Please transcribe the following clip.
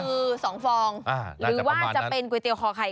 หรือว่าจะเป็นก๋วยเตี๋ยวคอไข่